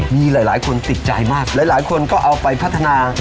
มีหลายคนติดใจมากหลายคนก็เอาไปพัฒนา